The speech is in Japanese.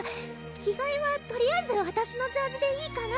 着がえはとりあえずわたしのジャージーでいいかな？